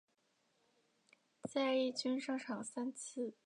在一军上场三次。